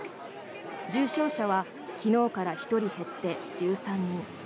重症者は昨日から１人減って１３人。